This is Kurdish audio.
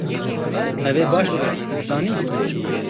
Ev ê baş bibe, tu dizanî.